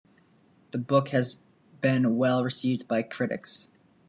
The book has been well received by critics.